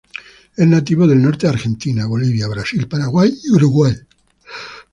Es nativo del norte de Argentina, Bolivia, Brasil, Paraguay y Uruguay.